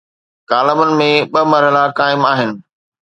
ڪالمن ۾ ٻه مرحلا قائم آهن.